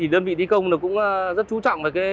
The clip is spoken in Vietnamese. đơn vị đi công cũng rất chú trọng về